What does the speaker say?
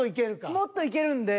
もっといけるか。